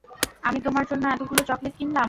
আমি তোমার জন্য এতগুলো চকলেট কিনলাম।